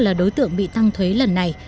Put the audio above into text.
là đối tượng bị tăng thuế lần này